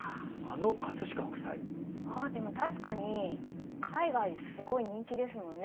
あでも確かに海外ですごい人気ですもんね。